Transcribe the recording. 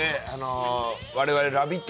我々「ラヴィット！」